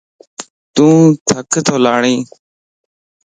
يو ٿُڪ تو لاڙي